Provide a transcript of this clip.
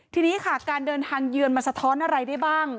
ทีนี้ค่ะการเดินทางเยือนมันสะท้อนอะไรได้บ้าง